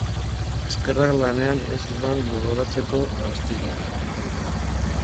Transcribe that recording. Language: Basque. Eskerrak lanean ez dudan gogoratzeko astirik.